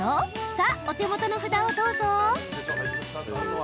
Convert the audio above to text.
さあ、お手元の札をどうぞ。